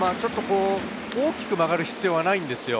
大きく曲がる必要はないんですよ。